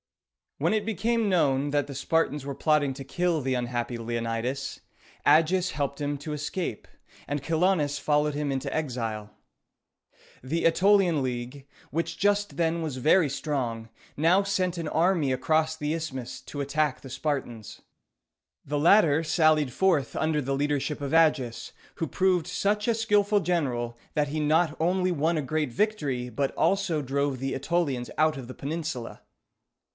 When it became known that the Spartans were plotting to kill the unhappy Leonidas, Agis helped him to escape, and Chilonis followed him into exile. The Ætolian League, which just then was very strong, now sent an army across the isthmus to attack the Spartans. The latter sallied forth under the leadership of Agis, who proved such a skillful general, that he not only won a great victory, but also drove the Ætolians out of the peninsula.